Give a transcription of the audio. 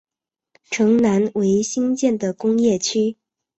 城南为新建的工业区。